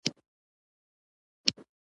د پوهنتون ژوند د مسلکي ودې لار ده.